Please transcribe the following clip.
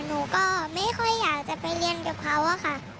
หนูก็ไม่ค่อยอยากจะไปเรียนกับเขาอะค่ะ